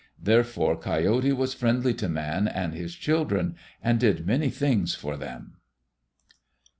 Therefore Coyote was friendly to Man and his children, and did many things for them.